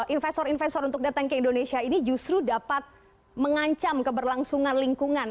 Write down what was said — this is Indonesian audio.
investor investor untuk datang ke indonesia ini justru dapat mengancam keberlangsungan lingkungan